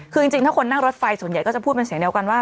คือจริงถ้าคนนั่งรถไฟส่วนใหญ่ก็จะพูดเป็นเสียงเดียวกันว่า